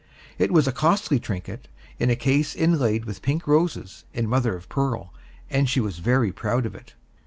It was a costly trinket, in a case inlaid with pink roses, in mother of pearl, and she was very proud of it.